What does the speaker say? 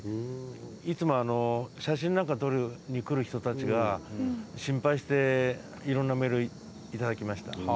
いつも写真なんか撮りに来る人たちが心配していろんなメール頂きました。